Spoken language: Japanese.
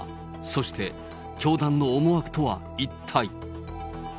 そして、教団の思惑とは一体。